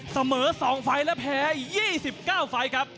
เสมอ๒ไฟล์และแพ้๒๙ไฟล์ครับ